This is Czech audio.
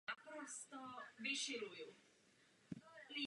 Poslední kapitola začíná stejně jako první údery na chrámový zvon.